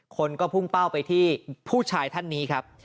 คนก็พุ่งเป้าไปที่ผู้ชายท่านนี้ครับ